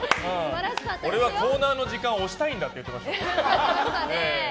俺はコーナーの時間を押したいんだって言ってました。